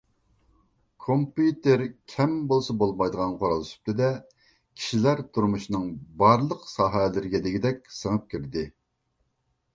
كومپيۇتېر كەم بولسا بولمايدىغان قورال سۈپىتىدە، كىشىلەر تۇرمۇشىنىڭ بارلىق ساھەلىرىگە دېگۈدەك سىڭىپ كىردى.